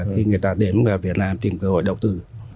khi người ta đến việt nam tìm cơ hội đầu tư